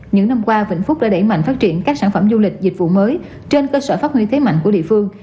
những năm qua vĩnh phúc đã đẩy mạnh phát triển các sản phẩm du lịch dịch vụ mới trên cơ sở phát huy thế mạnh của địa phương